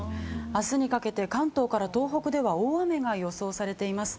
明日にかけて関東から東北では大雨が予想されています。